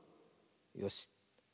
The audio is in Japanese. よし。